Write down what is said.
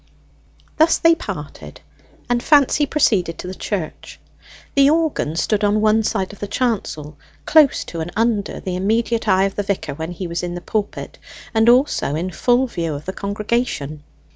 Thus they parted, and Fancy proceeded to the church. The organ stood on one side of the chancel, close to and under the immediate eye of the vicar when he was in the pulpit, and also in full view of the congregation.